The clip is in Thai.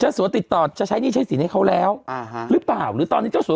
สัวติดต่อจะใช้หนี้ใช้สินให้เขาแล้วอ่าฮะหรือเปล่าหรือตอนนี้เจ้าสัว